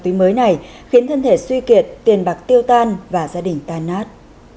một loại ma túy mới này khiến thân thể suy kiệt tiền bạc tiêu tan và gia đình tan nát